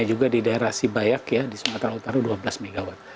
dan juga di daerah sibayak ya di sumatera utara dua belas mw